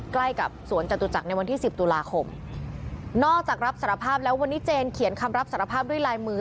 ใกล้กับสวนจตุจักรในวันที่สิบตุลาคมนอกจากรับสารภาพแล้ววันนี้เจนเขียนคำรับสารภาพด้วยลายมือ